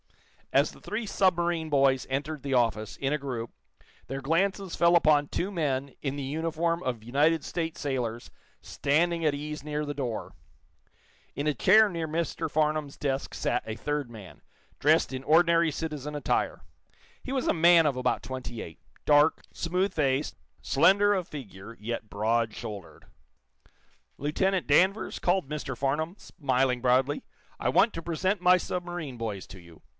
As the three submarine boys entered the office, in a group, their glances fell upon two men, in the uniform of United States sailors, standing at ease near the door. In a chair near Mr. Farnum's desk sat a third man, dressed in ordinary citizen attire. He was a man of about twenty eight, dark, smooth faced, slender of figure, yet broad shouldered. "Lieutenant Danvers," called Mr. Farnum, smiling broadly, "I want to present my submarine boys to you.